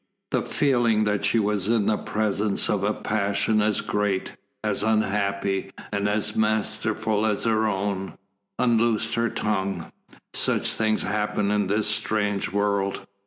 The feeling that she was in the presence of a passion as great, as unhappy, and as masterful as her own, unloosed her tongue. Such things happen in this strange world.